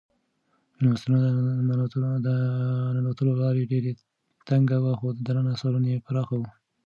مېلمستون ته د ننوتلو لاره ډېره تنګه وه خو دننه سالون یې پراخه و.